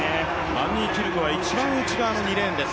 バンニーキルクは一番内側の２レーンです。